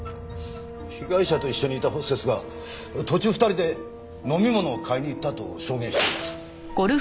被害者と一緒にいたホステスが途中２人で飲み物を買いに行ったと証言しています。